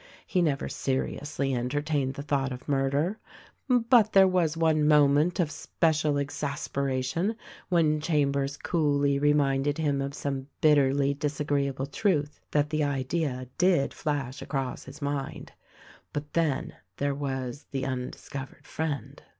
He never seriously entertained the thought of murder ; but there was one moment of special exasperation when Chambers coolly reminded him of some bitterly dis agreeable truth that the idea did flash across his mind. But then, there was the undiscovered friend